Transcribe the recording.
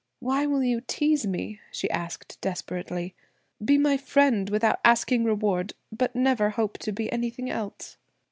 "Why will you tease me?" she asked desperately. "Be my friend without asking reward, but never hope to be anything else."